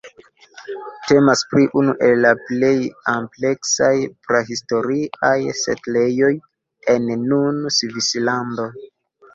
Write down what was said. Temas pri unu el la plej ampleksaj prahistoriaj setlejoj en nun Svislando.